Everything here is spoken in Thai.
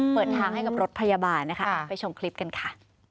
เปิดทางให้กับรถพยาบาลนะคะไปชมคลิปกันค่ะ